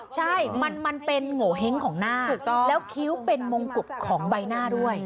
ใช่มันเป็นโงเห้งของหน้าถูกต้องแล้วคิ้วเป็นมงกุฎของใบหน้าด้วย